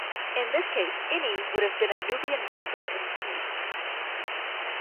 In this case, Ini would have been a Nubian vassal in Thebes.